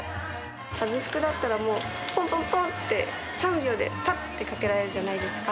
サブスクだったら、もう、ぽんぽんぽんって、３秒でぱってかけられるじゃないですか。